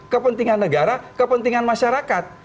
kepentingan negara kepentingan masyarakat